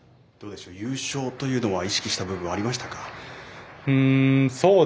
優勝というのは意識した部分ありましたか。